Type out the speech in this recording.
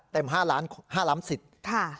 เต็ม๕ล้ำสิทธิ์